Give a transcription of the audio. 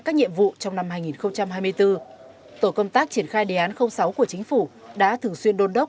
các nhiệm vụ trong năm hai nghìn hai mươi bốn tổ công tác triển khai đề án sáu của chính phủ đã thường xuyên đôn đốc